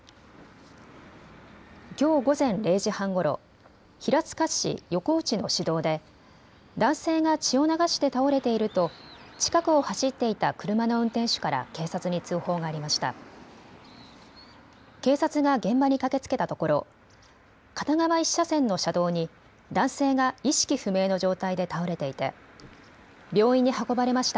きょう午前０時半ごろ、平塚市横内の市道で男性が血を流して倒れていると近くを走っていた車の運転手から警察に通報がありました。